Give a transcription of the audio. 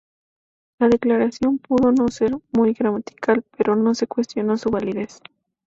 La declaración pudo no ser muy gramatical, pero no se cuestionó su validez.